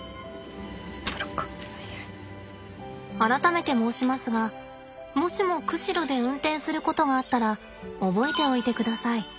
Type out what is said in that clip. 改めて申しますがもしも釧路で運転することがあったら覚えておいてください。